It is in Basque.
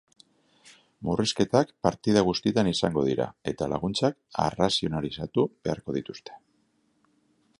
Murrizketak partida guztietan izango dira, eta laguntzak arrazionalizatu beharko dituzte.